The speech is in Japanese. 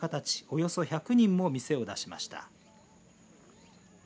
およそ１００人も店を出しました。